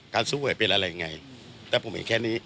การสู้เหลือเป็นอะไรยังไงแต่ผมเห็นแค่นี้